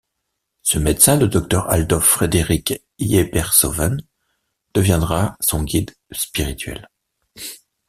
Ce médecin, le Dr Adolf Frederick Yeperssoven, deviendra son guide spirituel.